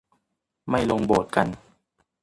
ไม่ลงโบสถ์กัน